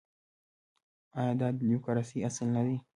آیا دا د ډیموکراسۍ اصل نه دی؟